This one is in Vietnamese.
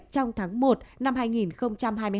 trong tháng một năm hai nghìn hai mươi hai